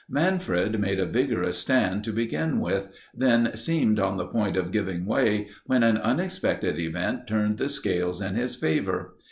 Manfred made a vigorous stand to begin with; then seemed on the point of giving way, when an unexpected event turned the scales in his favour.